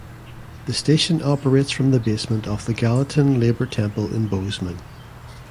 The station operates from the basement of the Gallatin Labor Temple in Bozeman.